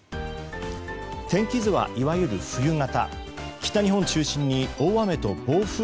天気図は、いわゆる冬型。